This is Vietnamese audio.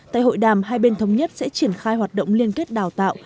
tại hội đàm hai bên thống nhất sẽ triển khai hoạt động liên kết đào tạo